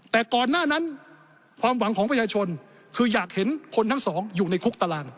แต่ก่อนหน้านั้นความหวังของประชาชนคืออยากเห็นคนทั้งสองอยู่ในคุกตาราง